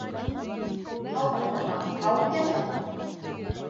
Һау булмаһам, һау итәңме?